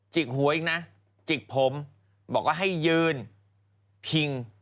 กหัวอีกนะจิกผมบอกว่าให้ยืนพิง